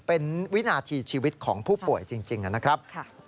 เป็นวินาทีชีวิตของผู้ป่วยจริงนะครับ